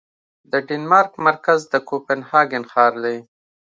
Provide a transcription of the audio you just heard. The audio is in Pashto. د ډنمارک مرکز د کوپنهاګن ښار دی